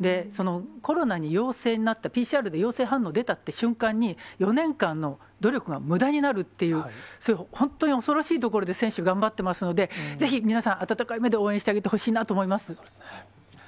で、コロナの陽性になった、ＰＣＲで陽性反応出たって瞬間に、４年間の努力がむだになるっていう、それ、本当に恐ろしいところで、選手頑張ってますので、ぜひ皆さん、温かい目で応援してあげてほしいなと思います。